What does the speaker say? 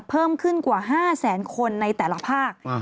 เพิ่มขึ้นกว่า๕แสนคนในแต่ละภาค